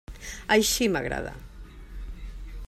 Així m'agrada.